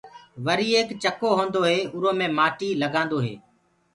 وري ايڪ ڇڪو هوندو هي اُرو مي مآٽي لگآندو هي۔